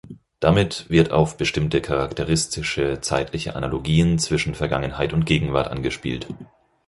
Damit wird auf bestimmte charakteristische zeitliche Analogien zwischen Vergangenheit und Gegenwart angespielt.